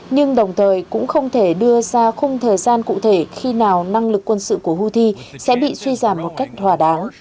nhưng đồng thời cũng không thể đưa ra khung thời gian cụ thể khi nào năng lực quân sự của houthi sẽ bị suy giảm một cách hòa đáng